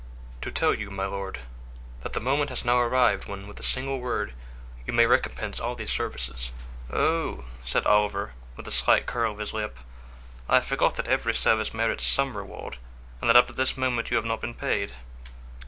"To tell you, my lord, that the moment has now arrived when, with a single word, you may recompense all these services." "Oh!" said Oliver, with a slight curl of his lip, "I forgot that every service merits some reward and that up to this moment you have not been paid."